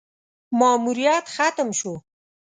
ماموریت ختم شو: